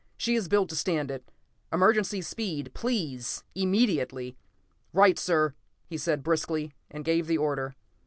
She is built to stand it. Emergency speed, please immediately!" "Right, sir!" he said briskly, and gave the order.